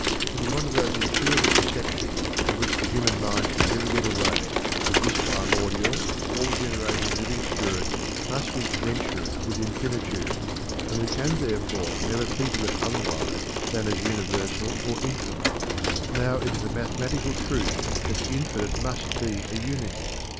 It is one of those intuitive perceptions from which the human mind can never get away that this primordial, all generating living spirit must be commensurate with infinitude, and we can therefore never think of it otherwise than as universal or infinite. Now it is a mathematical truth that the infinite must be a unity.